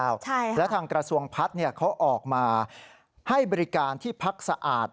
ใช่ค่ะและทางกระทรวงพัฒน์เขาออกมาให้บริการที่พักสะอาด